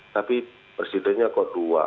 tapi presidennya kok dua